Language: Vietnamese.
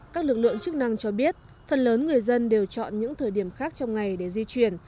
các lực lượng chức năng cho biết phần lớn người dân đều chọn những thời điểm khác trong ngày để di chuyển